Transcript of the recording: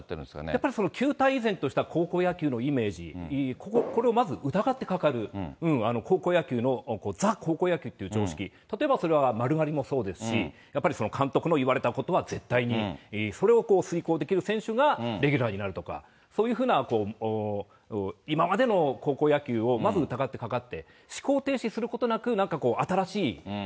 やっぱりその旧態依然とした高校野球のイメージ、これをまず疑ってかかる、高校野球のザ・高校野球という常識、例えばそれは丸刈りもそうですし、やっぱり監督の言われたことは絶対に、それを遂行できる選手がレギュラーになるとか、そういうふうな今までの高校野球を、思考停止することなくなんかこう、新しい。